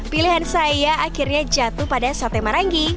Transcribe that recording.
pilihan saya akhirnya jatuh pada sate marangi